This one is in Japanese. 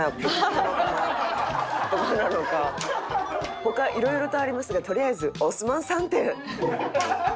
「他色々とありますがとりあえずオスマン３店」